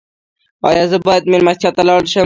ایا زه باید میلمستیا ته لاړ شم؟